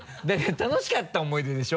楽しかった思い出でしょ？